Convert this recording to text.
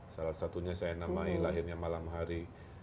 salah satunya saya enam ayah lahirnya malam hari